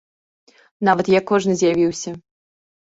Нават як кожны з'явіўся.